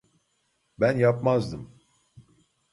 Ben yapmazdım.